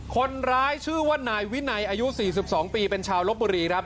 คนร้ายชื่อว่านายวินัยอายุ๔๒ปีเป็นชาวลบบุรีครับ